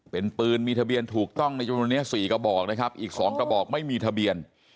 เป็นปืนมีทะเบียนถูกต้องในจำนวนนี้๔กระบอกนะครับอีก๒กระบอกไม่มีทะเบียน